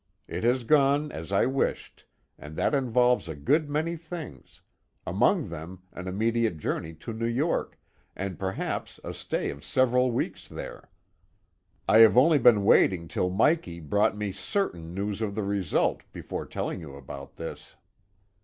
It has gone as I wished, and that involves a good many things among them an immediate journey to New York, and perhaps a stay of several weeks there. I have only been waiting till Mikey brought me certain news of the result before telling you about this."